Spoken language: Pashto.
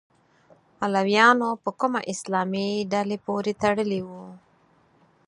علویانو په کومه اسلامي ډلې پورې تړلي وو؟